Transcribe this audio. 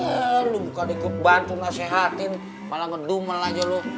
eh lo bukan dikebantu nge sehatin malah ngedumel aja lo